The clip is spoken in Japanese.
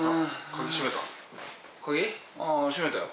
鍵？閉めたよ。